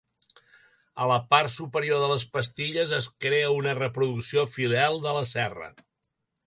A la part superior de les pastilles es crea una reproducció fidel de la serra.